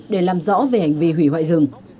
để làm rõ về hành vi hủy hoại rừng